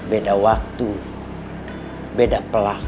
beda waktu beda pelaku